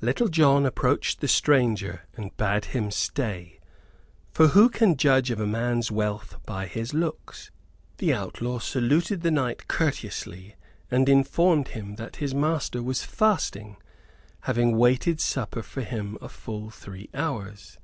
Little John approached the stranger and bade him stay; for who can judge of a man's wealth by his looks? The outlaw saluted the knight courteously and informed him that his master was fasting, having waited supper for him a full three hours.